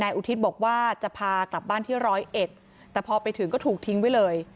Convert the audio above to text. อุทิศบอกว่าจะพากลับบ้านที่ร้อยเอ็ดแต่พอไปถึงก็ถูกทิ้งไว้เลย